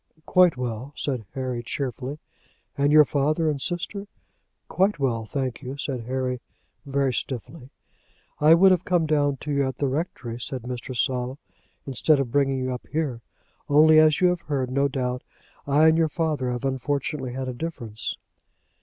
"Quite well," said Harry, cheerfully. "And your father, and sister?" "Quite well, thank you," said Harry, very stiffly. "I would have come down to you at the rectory," said Mr. Saul, "instead of bringing you up here; only, as you have heard, no doubt, I and your father have unfortunately had a difference."